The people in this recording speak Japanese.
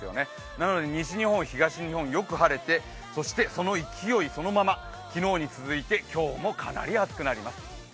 なので西日本、東日本、よく晴れてそしてその勢いそのまま昨日に続いて今日もかなり暑くなります。